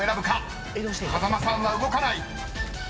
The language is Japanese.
風間さんは動かない！］